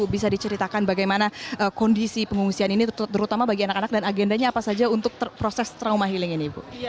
bisa diceritakan bagaimana kondisi pengungsian ini terutama bagi anak anak dan agendanya apa saja untuk proses trauma healing ini ibu